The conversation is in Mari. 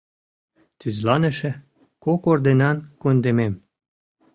Тӱзланыше, кок орденан кундемем.